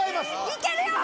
いけるよ！